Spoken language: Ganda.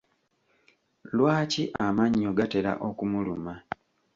Lwaki amannyo gatera okumuluma?